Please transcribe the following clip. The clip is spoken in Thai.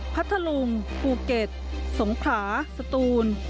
พัทธลุงภูเก็ตสงขลาสตูน